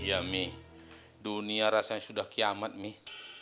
iya mih dunia rasanya sudah kiamat mih